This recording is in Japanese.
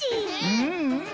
うんうん。